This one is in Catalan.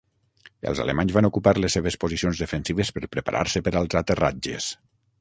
Els alemanys van ocupar les seves posicions defensives per preparar-se per als aterratges.